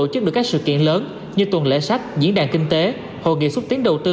các sự kiện lớn như tuần lễ sách diễn đàn kinh tế hội nghị xúc tiến đầu tư